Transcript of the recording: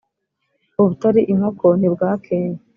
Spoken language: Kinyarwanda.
ubutari inkoko ntibwakeye,